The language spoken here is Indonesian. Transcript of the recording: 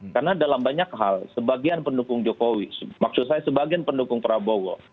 karena dalam banyak hal sebagian pendukung jokowi maksud saya sebagian pendukung prabowo